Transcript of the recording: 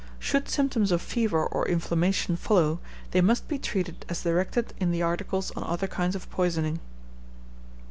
Should symptoms of fever or inflammation follow, they must be treated as directed in the articles on other kinds of poisoning.